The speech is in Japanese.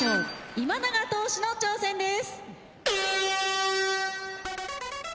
今永投手の挑戦です。